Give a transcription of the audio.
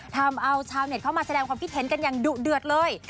ทำเอาชาวเน็ตเข้ามาแสดงความคิดเห็นกันอย่างดุเดือดเลย